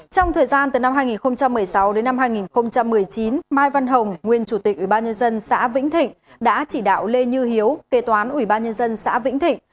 trong thời gian từ năm hai nghìn một mươi sáu đến năm hai nghìn một mươi chín mai văn hồng nguyên chủ tịch ubnd xã vĩnh thịnh đã chỉ đạo lê như hiếu kế toán ubnd xã vĩnh thịnh